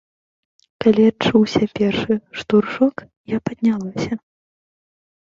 Калі адчуўся першы штуршок, я паднялася.